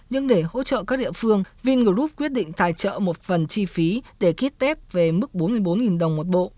nhưng để hỗ trợ các địa phương vingroup quyết định tài trợ một phần chi phí để kit tép về mức bốn mươi bốn đồng một bộ